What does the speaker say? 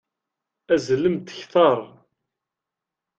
Azzlemt kteṛ!